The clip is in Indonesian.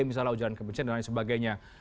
misalnya ujaran kebencian dan lain sebagainya